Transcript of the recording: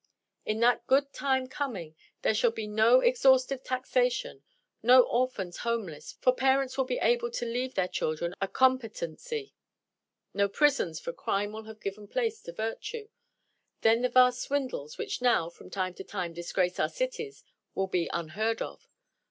In that good time coming there shall be no exhaustive taxation; no orphans homeless, for parents will be able to leave their children a competency; no prisons, for crime will have given place to virtue. Then the vast swindles which now, from time to time, disgrace our cities, will be unheard of.